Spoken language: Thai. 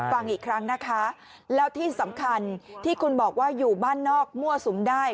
ฟังอีกครั้งนะคะแล้วที่สำคัญที่คุณบอกว่าอยู่บ้านนอกมั่วสุมได้